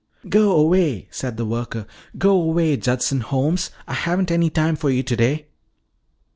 "Go away," said the worker, "go away, Judson Holmes. I haven't any time for you today."